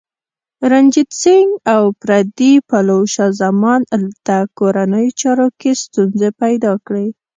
رنجیت سنګ او پردي پلوو شاه زمان ته کورنیو چارو کې ستونزې پیدا کړې.